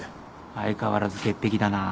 相変わらず潔癖だなぁ。